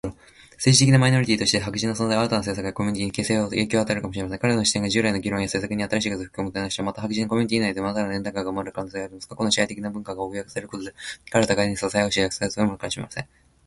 政治的には、マイノリティとしての白人の存在は、新たな政策やコミュニティの形成に影響を与えるかもしれません。彼らの視点が、従来の議論や政策に新しい風を吹き込むことになるでしょう。また、白人コミュニティ内でも、新たな連帯感が生まれる可能性があります。過去の支配的な文化が脅かされることで、彼らが互いに支え合う姿勢が強まるかもしれません。